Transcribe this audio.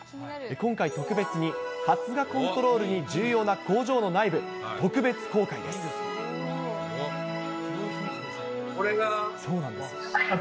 今回、特別に発芽コントロールに重要な工場の内部、特別公開です。